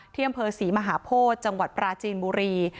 ที่อำเภอศรีมหาโพธิจังหวัดปราจีนบุรี